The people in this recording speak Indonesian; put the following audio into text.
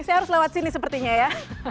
saya harus lewat sini sepertinya ya